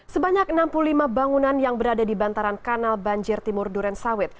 sebanyak enam puluh lima bangunan yang berada di bantaran kanal banjir timur duren sawit